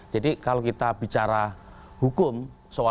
jadi kalau kita bijakkan kita bisa lihat